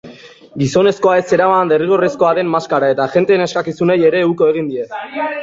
Gizonak ez zeraman derrigorrezkoa den maskara eta agenteen eskakizunei ere uko egin die.